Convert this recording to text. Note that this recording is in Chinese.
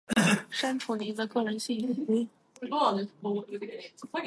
删除您的个人信息；